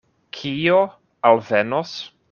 Kio alvenos?